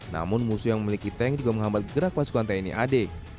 namun musuh yang memiliki tank juga menghambat gerak pasukan tni ad